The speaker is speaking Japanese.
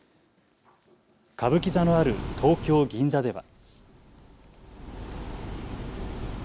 歌舞伎座のある東京銀座では。